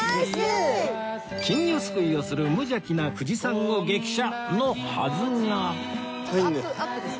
金魚すくいをする無邪気な藤さんを激写のはずが